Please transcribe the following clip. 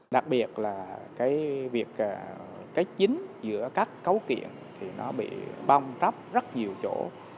đặc biệt là cái chính giữa các cấu kiện thì nó bị bong trắp rất nhiều chỗ